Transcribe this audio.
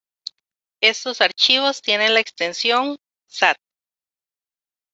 Estos archivos tiene la extensión.sat.